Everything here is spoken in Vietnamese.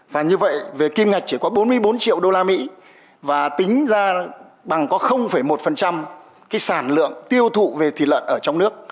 và như vậy về kim ngạch chỉ có bốn mươi bốn triệu usd và tính ra bằng có một cái sản lượng tiêu thụ về thịt lợn ở trong nước